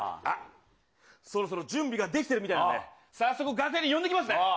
そろそろ準備ができてるみたいなんで、早速楽屋に呼んできますね。